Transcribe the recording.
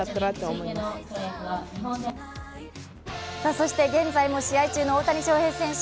そして現在も試合中の大谷翔平選手。